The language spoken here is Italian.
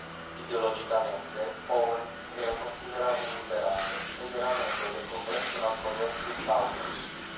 Ideologicamente Owens era considerato un liberale ed era membro del Congressional Progressive Caucus.